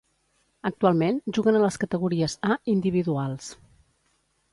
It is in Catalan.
Actualment, juguen a les categories "A" individuals.